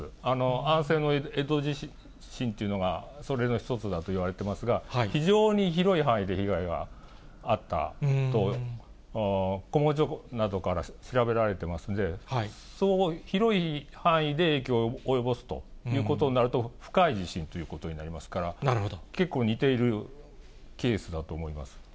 安政の江戸地震というのがそれの一つだと言われてますが、非常に広い範囲で被害があったと、古文書などから調べられてますので、広い範囲で影響を及ぼすということになると、深い地震ということになりますから、結構似ているケースだと思います。